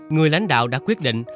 người lãnh đạo đã quyết định